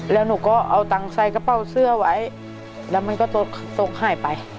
แล้วหนูก็เอาตังค์ใส่กระเป๋าเสื้อไว้แล้วมันก็ตกหายไป